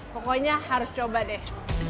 pokoknya harus coba deh